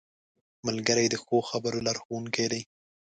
ملګری د ښو خبرو لارښوونکی دی